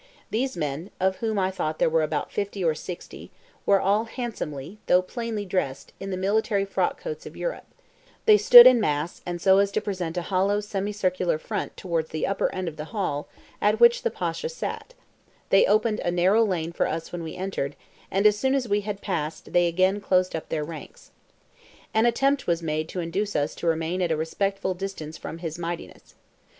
These men, of whom I thought there were about fifty or sixty, were all handsomely, though plainly, dressed in the military frockcoats of Europe; they stood in mass and so as to present a hollow semicircular front towards the upper end of the hall at which the Pasha sat; they opened a narrow lane for us when we entered, and as soon as we had passed they again closed up their ranks. An attempt was made to induce us to remain at a respectful distance from his mightiness.